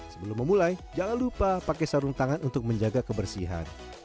sebelum memulai jangan lupa pakai sarung tangan untuk menjaga kebersihan